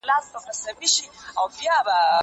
زه به سبا مکتب ته ولاړم؟